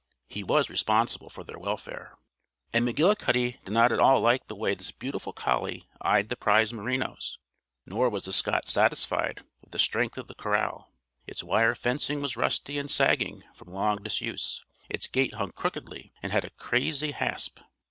He was responsible for their welfare. And McGillicuddy did not at all like the way this beautiful collie eyed the prize merinos, nor was the Scot satisfied with the strength of the corral. Its wire fencing was rusty and sagging from long disuse, its gate hung crookedly and had a crazy hasp.